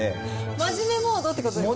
真面目モードってことですか。